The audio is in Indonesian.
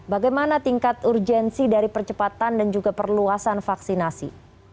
bagaimana tingkat urgensi dari percepatan dan juga perluasan vaksinasi